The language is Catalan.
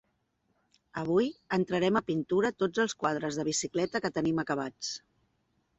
Avui entrarem a pintura tots els quadres de bicicleta que tenim acabats.